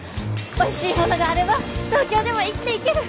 おいしいものがあれば東京でも生きていける！